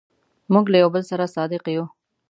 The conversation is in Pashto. موږ له یو بل سره صادق یو.